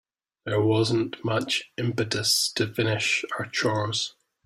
There wasn't much impetus to finish our chores.